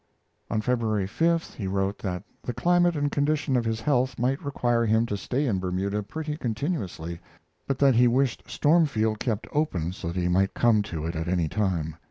On February 5th he wrote that the climate and condition of his health might require him to stay in Bermuda pretty continuously, but that he wished Stormfield kept open so that he might come to it at any time.